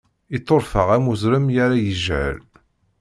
Ittuṛfeɛ am uzrem mi ara yejhel.